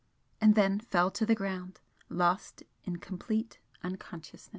and then fell to the ground, lost in complete unconsciousness.